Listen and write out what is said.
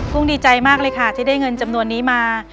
ดีใจมากเลยค่ะที่ได้เงินจำนวนนี้มา